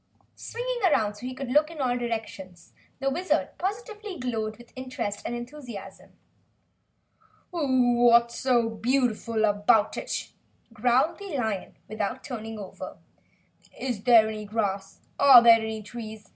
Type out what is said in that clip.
Swinging round so he could look in all directions, the Wizard positively glowed with interest and enthusiasm. "What's so beautiful about it?" growled the lion without turning over. "Is there any grass? Are there any trees?